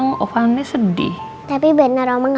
siapa kamu ini yang kerja di normally